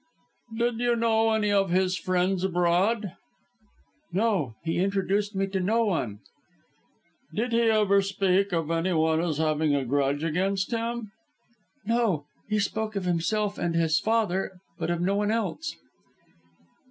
"Did you know any of his friends abroad?" "No. He introduced me to no one." "Did he ever speak of anyone as having a grudge against him?" "No. He spoke of himself and his father, but of no one else."